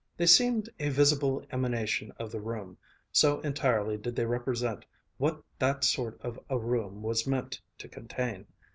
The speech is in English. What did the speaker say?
They seemed a visible emanation of the room, so entirely did they represent what that sort of a room was meant to contain.